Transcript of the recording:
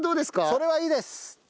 それはいいです。